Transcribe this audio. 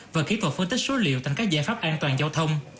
và kỹ thuật phân tích số liệu thành các giải pháp an toàn giao thông